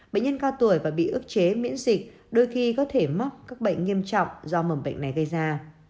bệnh nhân cao tuổi và bị ức chế miễn dịch đôi khi có thể mắc các bệnh nghiêm trọng do mầm bệnh này gây ra